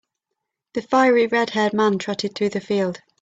The fiery red-haired man trotted through the field.